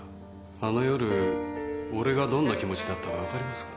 あの夜俺がどんな気持ちだったかわかりますか？